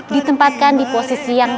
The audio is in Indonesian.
ditempatkan di posisi yang